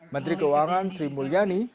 menteri keuangan sri mulyani